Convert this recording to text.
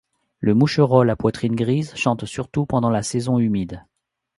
Le Moucherolle à poitrine grise chante surtout durant la saison humide.